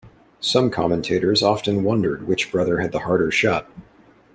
Some commentators often wondered which brother had the harder shot.